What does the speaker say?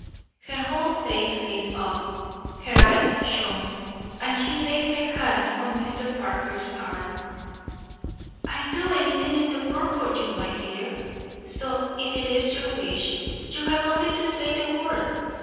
Her whole face lit up, her eyes shone, and she laid her hand on Mr. Parker's arm. "I'd do anything in the world for you, my dear; so if it is your wish, you have only to say the word.